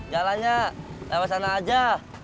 jalannya lewat sana aja